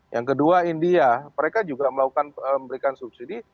yang kedua india mereka juga melakukan memberikan subsidi